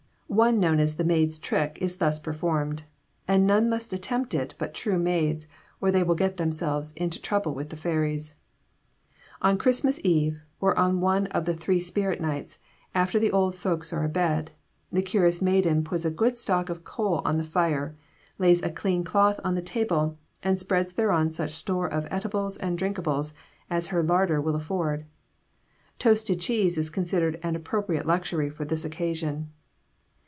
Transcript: One known as the Maid's Trick is thus performed; and none must attempt it but true maids, or they will get themselves into trouble with the fairies: On Christmas eve, or on one of the Three Spirit Nights, after the old folks are abed, the curious maiden puts a good stock of coal on the fire, lays a clean cloth on the table, and spreads thereon such store of eatables and drinkables as her larder will afford. Toasted cheese is considered an appropriate luxury for this occasion.